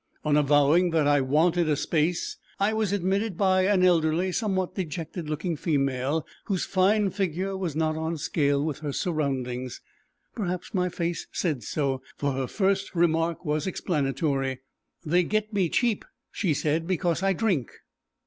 On avowing that I wanted a space, I was admitted by an elderly, somewhat dejected looking female, whose fine figure was not on scale with her surroundings. Perhaps my face said so, for her first remark was explanatory. "They get me cheap," she said, "because I drink."